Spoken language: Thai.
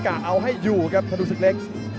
เอาให้อยู่ครับธนูศึกเล็ก